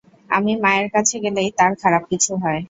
আমি মায়ের কাছে গেলেই তার খারাপ কিছু হয়।